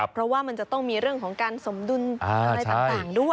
เพราะว่ามันจะต้องมีเรื่องของการสมดุลอะไรต่างด้วย